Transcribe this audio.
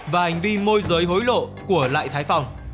và hành vi môi giới hối lộ của lại thái phòng